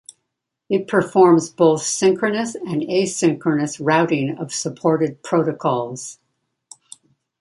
It performs both synchronous and asynchronous routing of supported protocols.